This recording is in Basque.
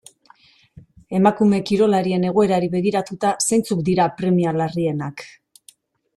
Emakume kirolarien egoerari begiratuta, zeintzuk dira premia larrienak?